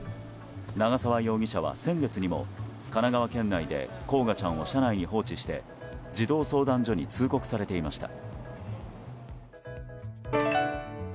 長澤容疑者は先月にも神奈川県内で煌翔ちゃんを車内に放置して児童相談所に通告されていました。